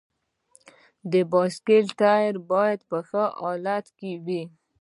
د بایسکل ټایر باید په ښه حالت کې وي.